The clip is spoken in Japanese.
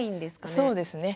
そうですね。